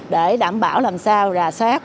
để đảm bảo làm sao ra soát